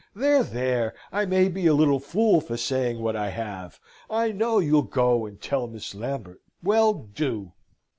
There, there! I may be a little fool for saying what I have. I know you'll go and tell Miss Lambert. Well, do!"